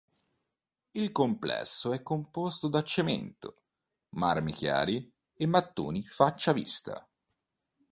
Il complesso è composto da cemento, marmi chiari e mattoni faccia vista.